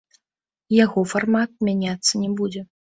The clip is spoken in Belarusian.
Яго фармат мяняцца не будзе.